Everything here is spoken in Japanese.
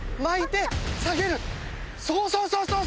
そうそうそうそう！